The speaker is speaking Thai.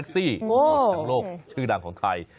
ทั้งโลกชื่อดังของไทย